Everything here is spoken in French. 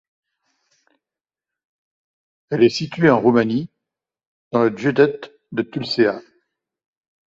Elle est située en Roumanie, dans le județ de Tulcea.